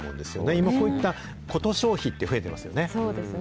今こういったコト消費って増えてますよね。